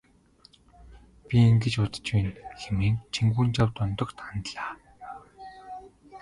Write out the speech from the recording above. Би ингэж бодож байна хэмээн Чингүнжав Дондогт хандлаа.